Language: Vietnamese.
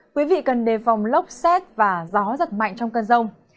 quý vị cần đề phòng lốc xét và gió giật mạnh trong cơn rông